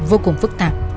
vô cùng phức tạp